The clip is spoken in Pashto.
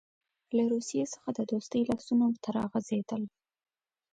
له روسیې څخه د دوستۍ لاسونه ورته راغځېدل.